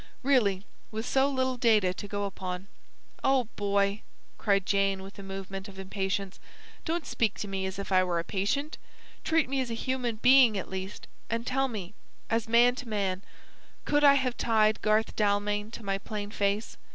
"Really, with so little data to go upon " "Oh, Boy," cried Jane, with a movement of impatience, "don't speak to me as if I were a patient. Treat me as a human being, at least, and tell me as man to man could I have tied Garth Dalmain to my plain face?